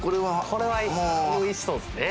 これは美味しそうですね。